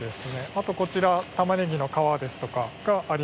あとこちらたまねぎの皮ですとかがあります